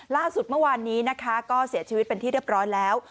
ล่าสุดเมื่อวานนี้นะคะก็เสียชีวิตเป็นที่เรียบร้อยแล้ว